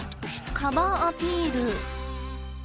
カバアピール！